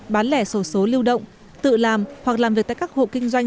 bán lẻ sổ số lưu động tự làm hoặc làm việc tại các hộ kinh doanh